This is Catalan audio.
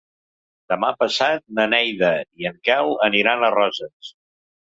Demà passat na Neida i en Quel aniran a Roses.